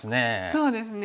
そうですね。